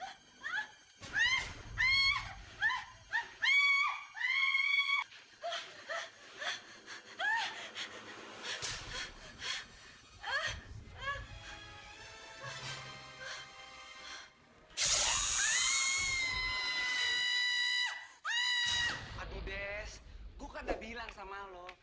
aduh des gue kan udah bilang sama lo